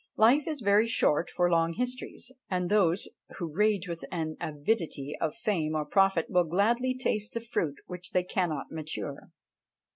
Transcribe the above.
Life is very short for long histories; and those who rage with an avidity of fame or profit will gladly taste the fruit which they cannot mature.